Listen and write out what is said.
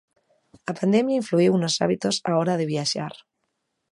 A pandemia influíu nos hábitos á hora de viaxar.